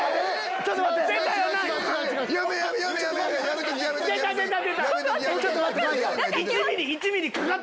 ちょっと待って。